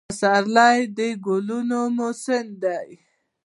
پسرلی د ګلانو موسم دی